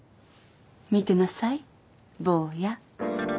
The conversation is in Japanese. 見てなさい坊や。